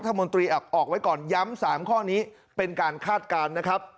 มนตรีออกไว้ก่อนย้ำ๓ข้อนี้เป็นการคาดการณ์นะครับ